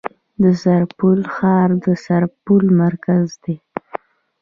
د سرپل ښار د سرپل مرکز دی